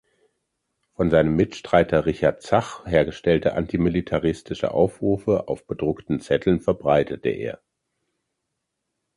Von seinem Mitstreiter Richard Zach hergestellte antimilitaristische Aufrufe auf bedruckten Zetteln verbreitete er.